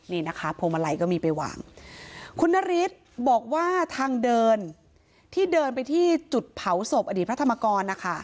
นี่นะคะพวงมาลัยก็มีไปวางคุณนฤทธิ์บอกว่าทางเดินที่เดินไปที่จุดเผาศพอดีตพระธรรมกรนะคะ